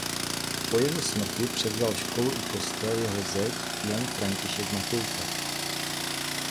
Po jeho smrti převzal školu i kostel jeho zeť Jan František Matějka.